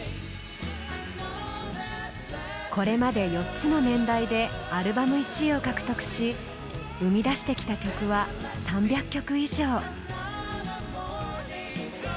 これまで４つの年代でアルバム１位を獲得し生み出してきた曲は３００曲以上。